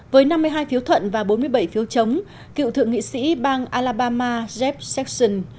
với năm mươi hai phiếu thuận và bốn mươi bảy phiếu chống cựu thượng nghị sĩ bang alabama jab serson